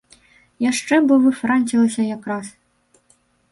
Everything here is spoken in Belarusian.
Яшчэ бо выфранцілася якраз!